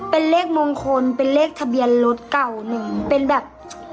เป็นเลขมงคลเป็นเลขทะเบียนรถเก่าหนึ่งเป็นแบบ